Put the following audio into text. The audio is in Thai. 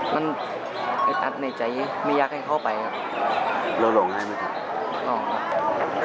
มันเอ็ดอัดในใจไม่อยากให้เข้าไปครับ